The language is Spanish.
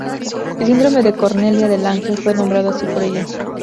El Síndrome de Cornelia de Lange fue nombrado así por ella.